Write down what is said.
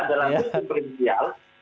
dalam musim presidenial